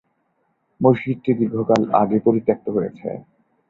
মসজিদটি দীর্ঘকাল আগে পরিত্যাক্ত হয়েছে।